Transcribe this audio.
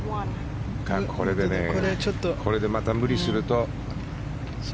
これでまた無理すると。